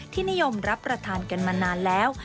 ที่นิยมรับประทานกันมานานแล้ว